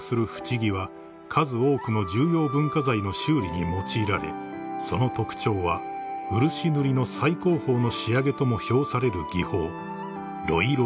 木は数多くの重要文化財の修理に用いられその特徴は漆塗りの最高峰の仕上げとも評される技法］